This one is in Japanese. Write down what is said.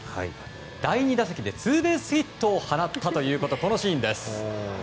第２打席でツーベースヒットを放ったシーンです。